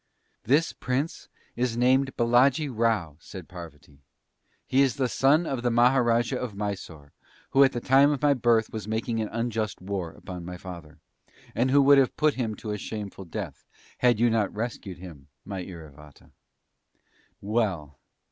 "This Prince is named Baladji Rao," said Parvati. "He is the Son of the Maharajah of Mysore, who at the time of my birth was making an unjust war upon my father, and who would have put him to a shameful death, had you not rescued him, my Iravata. Well!